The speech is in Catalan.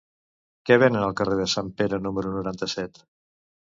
Què venen al carrer de Sant Pere número noranta-set?